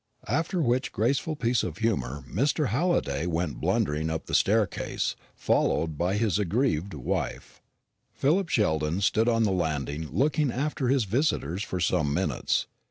After which graceful piece of humour Mr. Halliday went blundering up the staircase, followed by his aggrieved wife. Philip Sheldon stood on the landing looking after his visitors for some minutes.